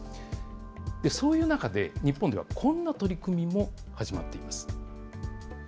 そういう中で、日本ではこんな取り組みも始まっています。